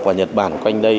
và nhật bản quanh đây